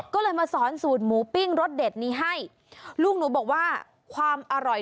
ก็เลยมาสอนสูตรหมูปิ้งรสเด็ดนี้ให้ลูกหนูบอกว่าความอร่อย